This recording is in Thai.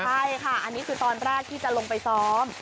ใช่ค่ะอันนี้คือตอนแรกที่จะลงไปซ้อม